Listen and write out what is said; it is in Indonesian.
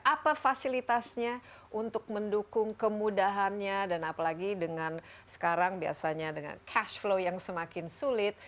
apa fasilitasnya untuk mendukung kemudahannya dan apalagi dengan sekarang biasanya dengan cash flow yang semakin sulit